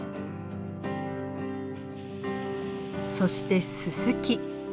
そしてススキ。